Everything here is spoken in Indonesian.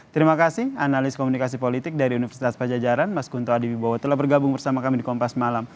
terima kasih analis komunikasi politik dari universitas pajajaran mas gunto adiwibowo telah bergabung bersama kami di kompas malam